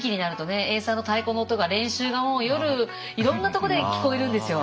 エイサーの太鼓の音が練習がもう夜いろんなとこで聞こえるんですよ。